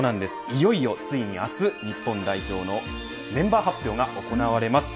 いよいよついに明日、日本代表のメンバー発表が行われます。